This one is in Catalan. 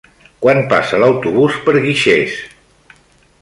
Quan passa l'autobús per Guixers?